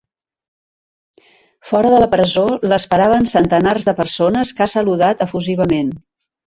Fora de la presó, l’esperaven centenars de persones, que ha saludat efusivament.